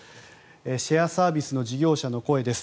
シェアサービスの事業者の声です。